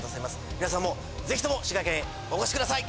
皆さんも是非とも滋賀県へお越し下さい！